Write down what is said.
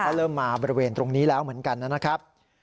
ก็เริ่มมาบริเวณตรงนี้แล้วเหมือนกันนะครับ